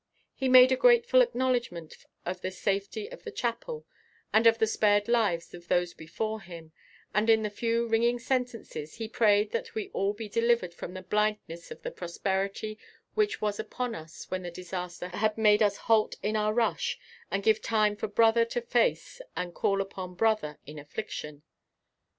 He made a grateful acknowledgment of the safety of the chapel and of the spared lives of those before him, and in a few ringing sentences he prayed that we all be delivered from the blindness of the prosperity which was upon us when the disaster had made us halt in our rush and give time for brother to face and call upon brother in affliction.